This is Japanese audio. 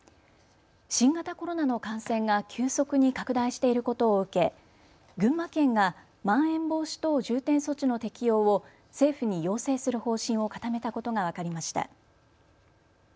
新型コロナの感染が急速に拡大していることを受け、群馬県がまん延防止等重点措置の適用を政府に要請する方針を固めたことが分かりました。